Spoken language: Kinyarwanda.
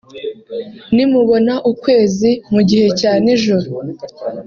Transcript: “Nimubona ukwezi mu gihe cya nijoro